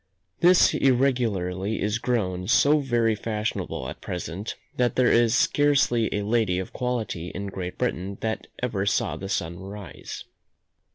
This irregularity is grown so very fashionable at present, that there is scarcely a lady of quality in Great Britain that ever saw the sun rise.